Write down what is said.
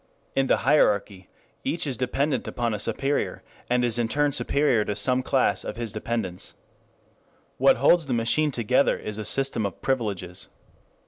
In the hierarchy each is dependent upon a superior and is in turn superior to some class of his dependents. What holds the machine together is a system of privileges.